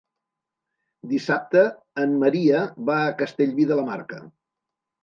Dissabte en Maria va a Castellví de la Marca.